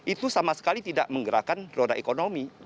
itu sama sekali tidak menggerakkan roda ekonomi